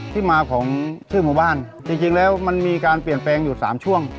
ที่มาของชื่อหมู่บ้านจริงแล้วมันมีการเปลี่ยนแปลงอยู่๓ช่วง